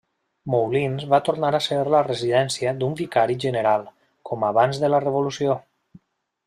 Moulins va tornar a ser la residència d'un vicari general, com abans de la revolució.